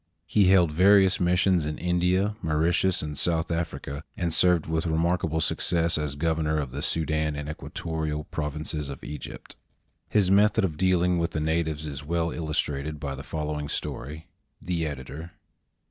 He held various missions in India, Mauritius, and South Africa, and served with remarkable success as governor of the Soudan and Equatorial provinces of Egypt. His method of dealing with the natives is well illustrated by the following story. The Editor.